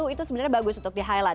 itu sebenarnya bagus untuk di highlight